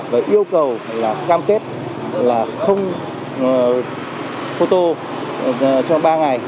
và yêu cầu là cam kết là không photo cho ba ngày